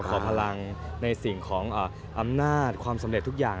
พลังในสิ่งของอำนาจความสำเร็จทุกอย่าง